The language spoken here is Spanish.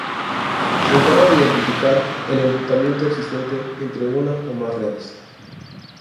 Se encarga de identificar el enrutamiento existente entre una o más redes.